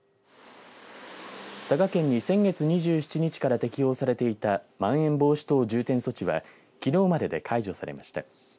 佐賀県に先月２７日から適用されていたまん延防止等重点措置はきのうまでで解除されました。